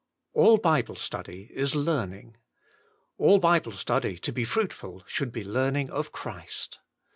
All Bible study is learning. All Bible study to be fruitful should be learning of Christ.